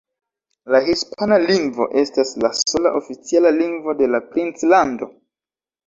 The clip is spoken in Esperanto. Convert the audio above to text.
La hispana lingvo estas la sola oficiala lingvo de la Princlando.